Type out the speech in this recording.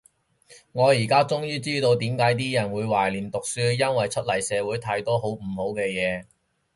我依家終於知道點解啲人會懷念讀書，因為出嚟社會太多唔好嘅嘢